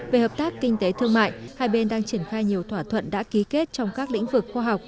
về hợp tác kinh tế thương mại hai bên đang triển khai nhiều thỏa thuận đã ký kết trong các lĩnh vực khoa học